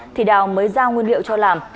thì đào mới giao nguyên liệu cho làm